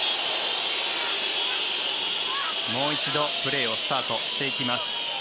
もう一度プレーをスタートしていきます。